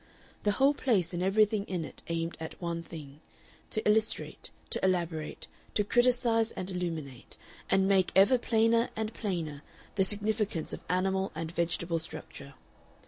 The whole place and everything in it aimed at one thing to illustrate, to elaborate, to criticise and illuminate, and make ever plainer and plainer the significance of animal and vegetable structure.